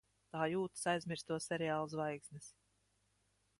Tā jūtas aizmirsto seriālu zvaigznes.